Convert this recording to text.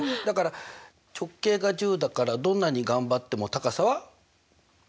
だから直径が１０だからどんなに頑張っても高さは？